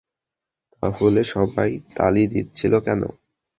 তাহলে সবাই তালি দিচ্ছিল কেন?